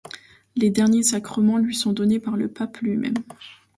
Les derniers sacrements lui sont donnés par le pape lui-même.